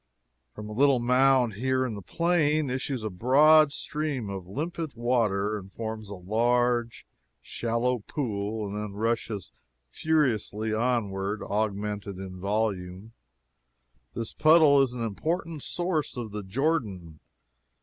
From a little mound here in the plain issues a broad stream of limpid water and forms a large shallow pool, and then rushes furiously onward, augmented in volume. This puddle is an important source of the Jordan.